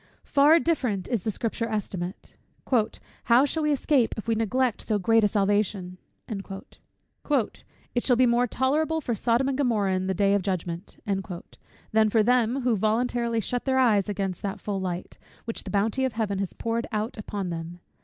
Far different is the Scripture estimate; "How shall we escape if we neglect so great salvation?" "It shall be more tolerable for Sodom and Gomorrah, in the day of judgment," than for them, who voluntarily shut their eyes against that full light, which the bounty of Heaven has poured out upon them.